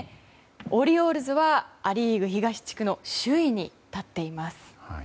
オリオールズはア・リーグ東地区首位に立っています。